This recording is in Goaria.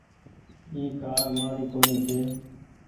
اي ڪآر مآري ڪونيٚ ڇي۔